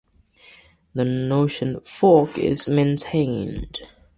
The Notion fork is maintained.